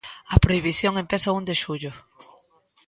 A prohibición empeza o un de xullo.